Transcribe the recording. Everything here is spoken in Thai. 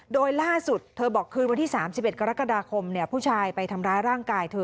โดยล่าสุดเธอบอกคืนวันที่๓๑กรกฎาคมผู้ชายไปทำร้ายร่างกายเธอ